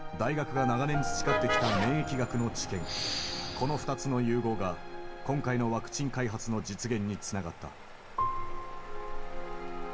この２つの融合が今回のワクチン開発の実現につながった。